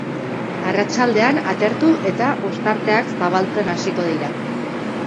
Arratsaldean atertu eta ostarteak zabaltzen hasiko dira.